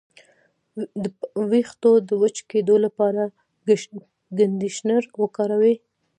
د ویښتو د وچ کیدو لپاره کنډیشنر وکاروئ